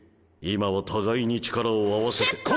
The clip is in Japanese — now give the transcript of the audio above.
今は互いに力を合わせて。